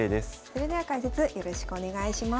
それでは解説よろしくお願いします。